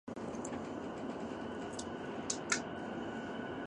週刊誌とかファッション誌とか音楽雑誌とかゲーム雑誌が積まれていた山